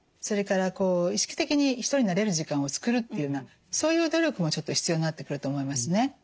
それから意識的に一人になれる時間を作るというようなそういう努力もちょっと必要になってくると思いますね。